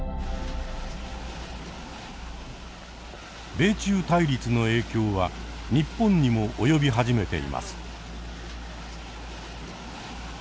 米中対立の影響は日本にも及び始めています。